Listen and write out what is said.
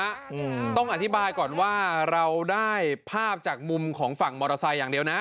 อืมต้องอธิบายก่อนว่าเราได้ภาพจากมุมของฝั่งมอเตอร์ไซค์อย่างเดียวนะ